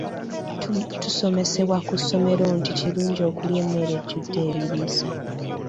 Tusomesebwa ku ssomero nti kirungi okulya emmere ejjudde ebiriisa.